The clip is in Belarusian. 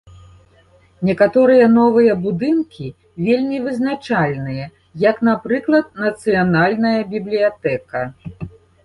Некаторыя новыя будынкі вельмі вызначальныя, як, напрыклад, нацыянальная бібліятэка.